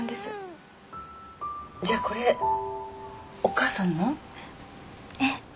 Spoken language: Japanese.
じゃこれお母さんの？ええ。